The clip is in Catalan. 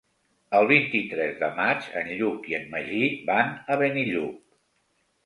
El vint-i-tres de maig en Lluc i en Magí van a Benillup.